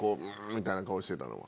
みたいな顔してたのは。